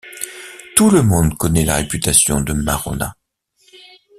Tout le monde connaît la réputation de Marona.